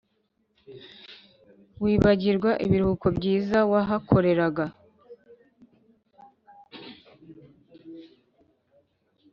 wibagirwa ibiruhuko byiza wahakoreraga